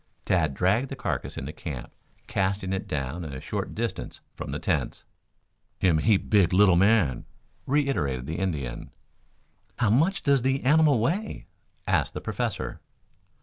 Tad dragged the carcass into camp, casting it down a short distance from the tents. "Him heap big little man," reiterated the Indian. "How much does the animal weigh?" asked the Professor.